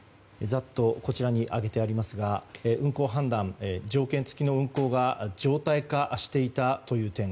こちらに挙げてありますが運航判断、条件付きの運航が常態化していたという点。